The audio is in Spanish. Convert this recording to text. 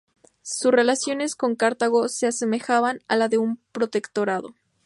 Sus relaciones con Cartago se asemejaban a la de un protectorado.